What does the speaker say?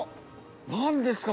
何ですか？